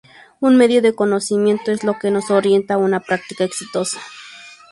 Un medio de conocimiento es lo que nos orienta a una práctica exitosa.